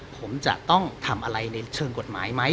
ผมจะต้องทำอะไรในเชิงกฎหมายไหม